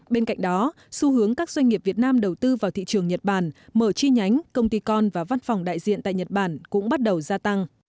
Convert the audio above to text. bên cạnh đó xu hướng các doanh nghiệp việt nam đầu tư vào thị trường nhật bản mở chi nhánh công ty con và văn phòng đại diện tại nhật bản cũng bắt đầu gia tăng